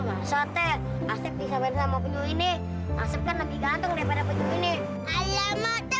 asap teh asep bisa bersama penyu ini asap kan lebih ganteng daripada penyu ini alamak teh